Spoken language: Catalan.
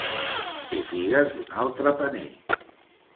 Ser figues d'un altre paner.